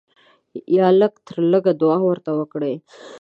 یا لږ تر لږه دعا ورته وکړئ.